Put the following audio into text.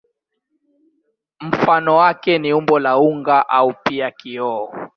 Mfano wake ni umbo la unga au pia kioo.